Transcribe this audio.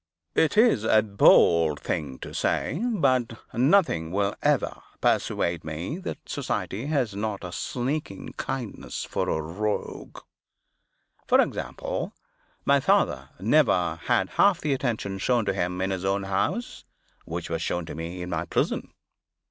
It is a bold thing to say, but nothing will ever persuade me that Society has not a sneaking kindness for a Rogue. For example, my father never had half the attention shown to him in his own house, which was shown to me in my prison.